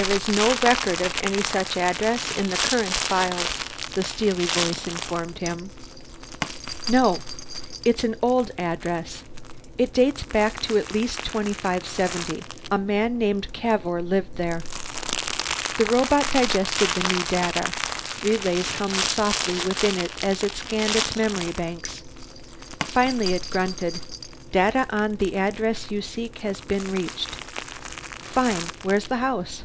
"There is no record of any such address in the current files," the steely voice informed him. "No. It's an old address. It dates back to at least 2570. A man named Cavour lived there." The robot digested the new data; relays hummed softly within it as it scanned its memory banks. Finally it grunted, "Data on the address you seek has been reached." "Fine! Where's the house?"